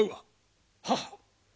はっ！